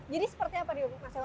jadi seperti apa nih mas eko